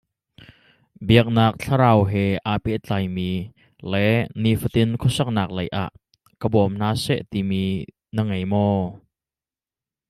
Biaknak, thlarau he aa pehtlaimi, le nifatin khuasaknak lei ah ka bawm hna seh ti mi na ngei maw?